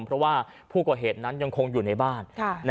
เพราะว่าผู้ก่อเหตุนั้นยังคงอยู่ในบ้าน